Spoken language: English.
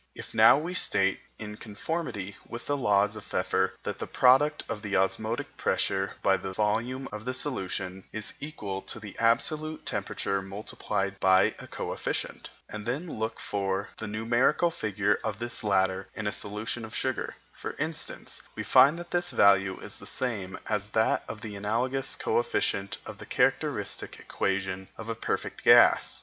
If now we state, in conformity with the laws of Pfeffer, that the product of the osmotic pressure by the volume of the solution is equal to the absolute temperature multiplied by a coefficient, and then look for the numerical figure of this latter in a solution of sugar, for instance, we find that this value is the same as that of the analogous coefficient of the characteristic equation of a perfect gas.